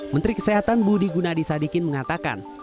menteri kesehatan budi gunadisadikin mengatakan